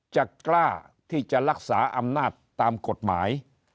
จะกล้าที่จะรักษาอำนาจตามกฎหมาย